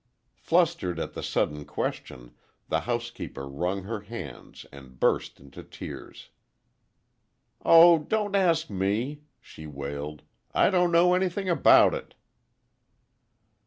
Flustered at the sudden question the housekeeper wrung her hands and burst into tears. "Oh, don't ask me," she wailed, "I don't know anything about it!"